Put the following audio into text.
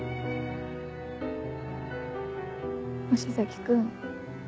星崎君。